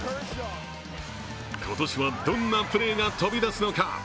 今年は、どんなプレーが飛び出すのか。